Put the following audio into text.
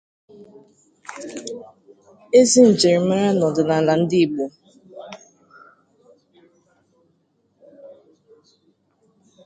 ezi njirimara na ọdịnala ndị Igbo.